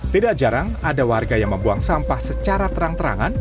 tidak jarang ada warga yang membuang sampah secara terang terangan